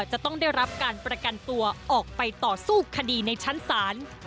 จะต้องได้รับการประกันตัวออกไปต่อสู้คดีในชั้นศาล